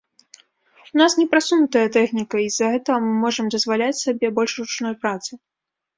У нас непрасунутая тэхніка, і з-за гэтага мы можам дазваляць сабе больш ручной працы.